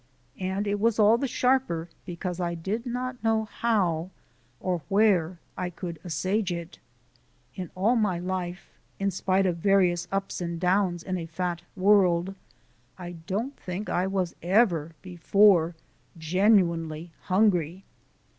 And it was all the sharper because I did not know how or where I could assuage it. In all my life, in spite of various ups and downs in a fat world, I don't think I was ever before genuinely hungry.